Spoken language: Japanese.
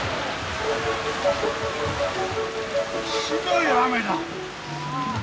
ひどい雨だ。